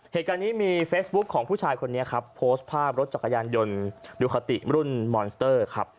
เหตุการณ์นี้มีเฟซบุ๊คของผู้ชายคนนี้ครับโพสต์ภาพรถจักรยานยนต์ดูคาติรุ่นมอนสเตอร์ครับ